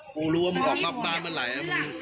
กูรู้ว่ามึงออกนอกบ้านเมื่อไหร่นะมึง